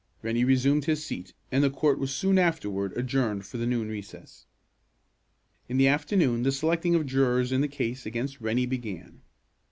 Rennie resumed his seat, and the court was soon afterward adjourned for the noon recess. In the afternoon the selecting of jurors in the case against Rennie began.